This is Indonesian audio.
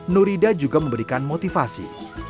nurhida juga memberikan motivasi